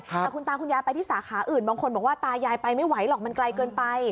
แต่คุณตาคุณยายไปที่สาขาอื่นบางคนบอกว่าตายายไปไม่ไหวหรอกมันไกลเกินไป